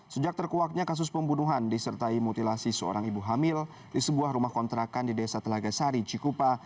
sejak terkuaknya kasus pembunuhan disertai mutilasi seorang ibu hamil di sebuah rumah kontrakan di desa telaga sari cikupa